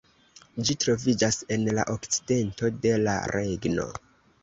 Ĝi troviĝas en la okcidento de la regno.